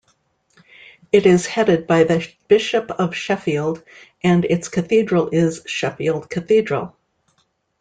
It is headed by the Bishop of Sheffield and its Cathedral is Sheffield Cathedral.